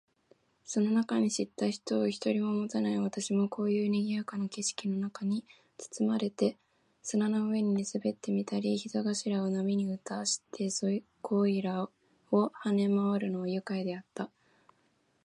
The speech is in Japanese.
その中に知った人を一人ももたない私も、こういう賑（にぎ）やかな景色の中に裹（つつ）まれて、砂の上に寝そべってみたり、膝頭（ひざがしら）を波に打たしてそこいらを跳（は）ね廻（まわ）るのは愉快であった。